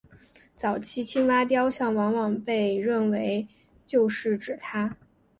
早期的青蛙雕像往往被认为就是指她。